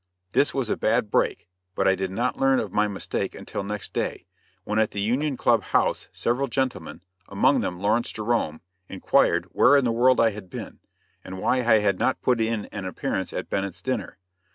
This was "a bad break," but I did not learn of my mistake until next day, when at the Union Club House several gentlemen, among them Lawrence Jerome, inquired "where in the world I had been," and why I had not put in an appearance at Bennett's dinner.